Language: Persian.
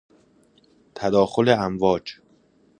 تداخل امواج